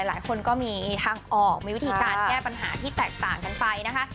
หลายคนก็มีทางออกมีวิธีการแก้ปัญหาที่แตกต่างกันไปนะคะ